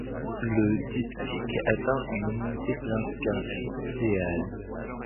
Le diptyque atteint une unité d'inspiration idéale.